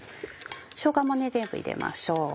しょうがも全部入れましょう。